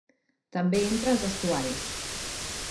També entra als estuaris.